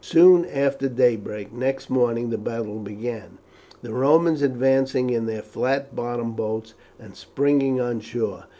Soon after daybreak next morning the battle began, the Romans advancing in their flat bottomed boats and springing on shore.